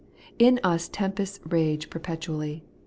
In us tempests rage per petually.